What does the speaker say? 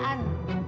kalian denger ya